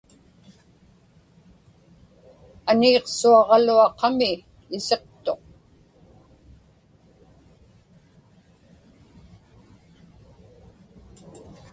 Aniiqsuaġaluaqami isiqtuq.